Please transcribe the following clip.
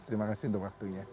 terima kasih untuk waktunya